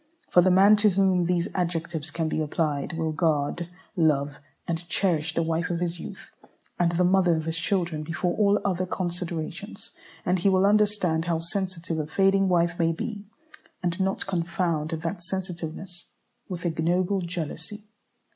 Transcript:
For the man to whom these adjectives can be applied will guard, love, and cherish the wife of his youth, and the mother of his children, before all other considerations; and he will understand how sensitive a fading wife may be, and not confound that sensitiveness with ignoble jealousy.